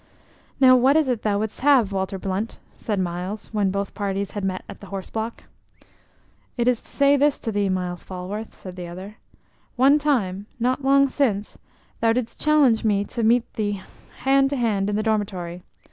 "Now what is it thou wouldst have, Walter Blunt?" said Myles, when both parties had met at the horse block. "It is to say this to thee, Myles Falworth," said the other. "One time, not long sin, thou didst challenge me to meet thee hand to hand in the dormitory.